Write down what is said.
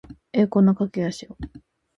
栄光の架橋を